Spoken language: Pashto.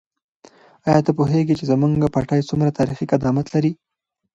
آیا ته پوهېږې چې زموږ پټی څومره تاریخي قدامت لري؟